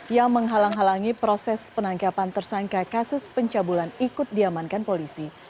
yang menghalang halangi proses penangkapan tersangka kasus pencabulan ikut diamankan polisi